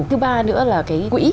thứ ba nữa là cái quỹ